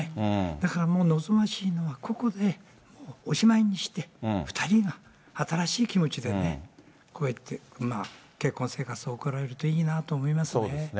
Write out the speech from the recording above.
だからもう、望ましいのは、ここでおしまいにして、２人が新しい気持ちでね、こうやって、結婚生活を送られるといいなと思いますよね。